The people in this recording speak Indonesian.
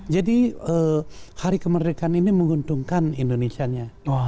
jadi hari kemerdekaan ini menguntungkan indonesia